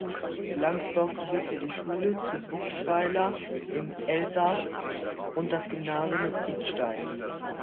Langsdorff besuchte die Schule zu Buchsweiler im Elsass und das Gymnasium in Idstein.